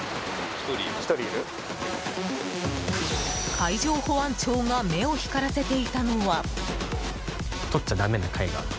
海上保安庁が目を光らせていたのは。